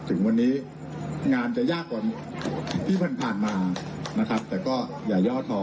ถึงวันนี้งานจะยากกว่าที่ผ่านมานะครับแต่ก็อย่าย่อทอ